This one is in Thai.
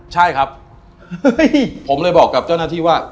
ใช่ครับผมเลยบอกกับเจ้าหน้าที่ว่า